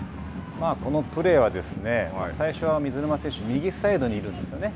このプレーは、最初は水沼選手、右サイドにいるんですよね。